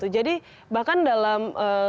jadi bahkan dalam